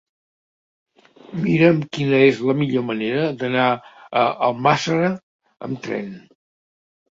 Mira'm quina és la millor manera d'anar a Almàssera amb tren.